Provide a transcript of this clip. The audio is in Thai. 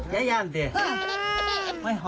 ยาย้านเนี่ย